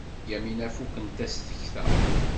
Yamina fukent-as tekta.